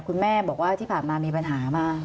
คุณแม่บอกว่าที่ผ่านมามีปัญหามาก